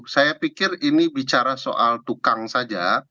saya pikir ini bicara soal tukang saja